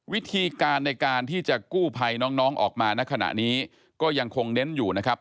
วิธีการในการที่จะกู้ภัยน้องออกมาณขณะนี้ก็ยังคงเน้นอยู่นะครับ